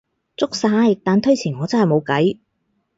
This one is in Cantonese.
足晒，但推遲我真係無計